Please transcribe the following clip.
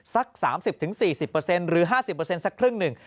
สัก๓๐๔๐หรือ๕๐สักครึ่งหนึ่ง